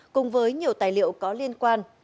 cùng với nhiều tài liệu có liên quan